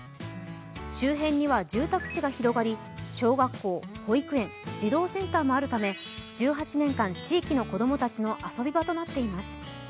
周辺には住宅地が広がり、小学校、保育園、児童センターもあるため１８年間、地域の子供たちの遊び場となっています。